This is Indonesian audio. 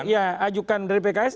ya ajukan dari pks